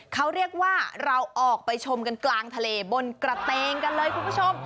เขาเรียกว่าเราออกไปชมกันกลางทะเลบนกระเตงกันเลยคุณผู้ชม